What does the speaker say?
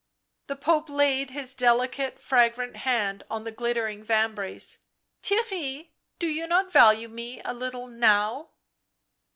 The Pope laid his delicate fragrant hand on the glittering vambrace. " Theirry — do you not value me a little now?"